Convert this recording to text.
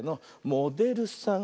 「モデルさん」